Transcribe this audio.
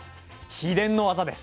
秘伝の技です。